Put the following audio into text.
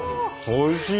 おいしい。